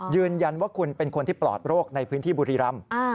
ยืนยันว่าคุณเป็นคนที่ปลอดโรคในพื้นที่บุรีรำ